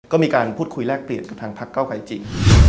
ก็มีการพูดคุยแลกเปลี่ยนกับทางพักเก้าไกรจริง